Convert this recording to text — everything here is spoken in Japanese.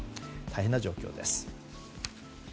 大変な状況です。